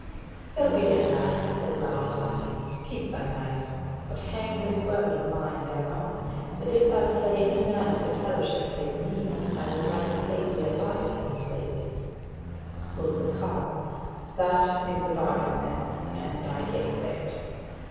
"So be it, lad," said Ralph, laughing, "keep thy knife; but hang this word of mine thereon, that if thou slay any man of this fellowship save me, I will rather flay thee alive than slay thee." Quoth the carle: "That is the bargain, then, and I yeasay it."